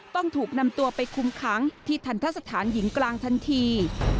ต้องถูกนำตัวไปคุมขังที่ทันทะสถานหญิงกลางทันที